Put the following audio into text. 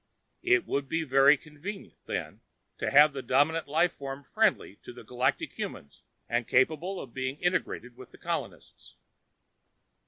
It would be very convenient then to have a dominant life form friendly to the galactic humans and capable of being integrated with the colonists.